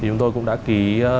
thì chúng tôi cũng đã ký